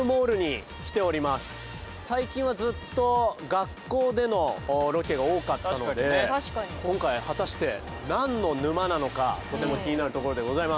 最近はずっと学校でのロケが多かったので今回果たして何の沼なのかとても気になるところでございます。